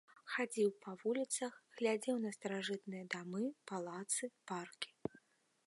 Хадзіў па вуліцах, глядзеў на старажытныя дамы, палацы, паркі.